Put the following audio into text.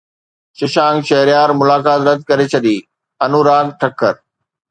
ششانڪ شهريار ملاقات رد ڪري ڇڏي انوراگ ٺڪر